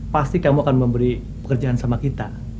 pasti kamu akan memberi pekerjaan sama kita